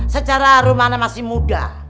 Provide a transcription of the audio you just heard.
secara rumahan masih muda